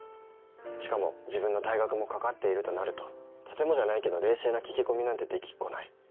しかも自分の退学もかかっているとなるととてもじゃないけど冷静な聞き込みなんてできっこない。